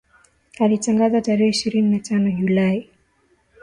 alitangaza tarehe ishirini na tano julai